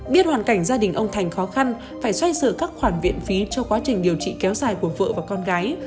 biết hoàn cảnh gia đình ông thành khó khăn phải xoay sửa các khoản viện phí cho quá trình điều trị kéo dài của vợ và con gái